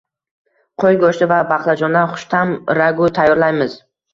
Qo‘y go‘shti va baqlajondan xushta’m ragu tayyorlaymiz